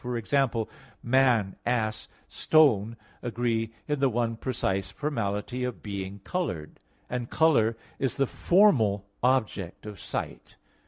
For example, man, ass, stone agree in the one precise formality of being colored; and color is the formal object of sight.